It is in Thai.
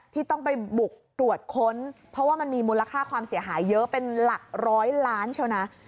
ที่ต้องไปบุกตรวจค้นเพราะว่ามันมีมูลค่าความเสียหายเยอะเป็นหลักร้อยล้านเชียวนะ